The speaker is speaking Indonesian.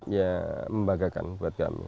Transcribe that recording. ya membahagakan buat kami